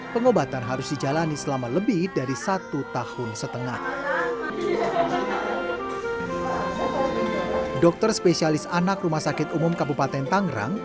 pemobatan harus dijalani selama lebih dari satu tahun setengah